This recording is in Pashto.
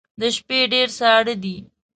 د شپې ډیر ساړه دی